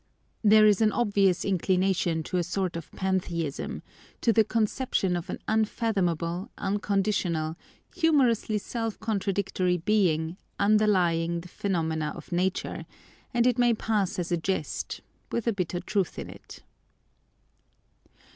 “There is an obvious inclination to a sort of Pantheism, to the conception of an unfathomable, unconditional, humorously self contradictory Being, underlying the phenomena of Nature; and it may pass as a jest, with a bitter truth in it.